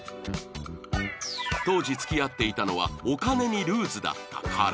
当時付き合っていたのはお金にルーズだった彼